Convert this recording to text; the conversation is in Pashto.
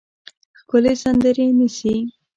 ښکلې سندرې نیسي